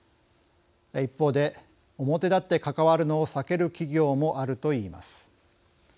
一方で表立って関わるのを避ける企業もあるといいます。